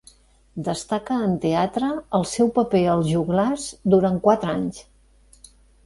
Destaca en teatre el seu paper a Els Joglars durant quatre anys.